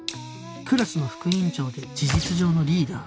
クラスの副委員長で事実上のリーダー